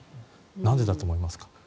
なんでだと思いますか？